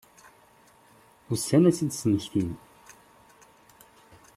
Ussan ad tt-id-smektin.